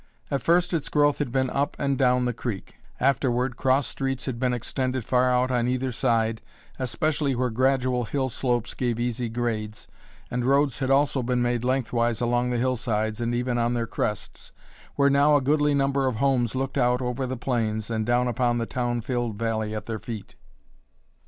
At first its growth had been up and down the creek; afterward cross streets had been extended far out on either side, especially where gradual hill slopes gave easy grades, and roads had also been made lengthwise along the hillsides and even on their crests, where now a goodly number of homes looked out over the plains and down upon the town filled valley at their feet.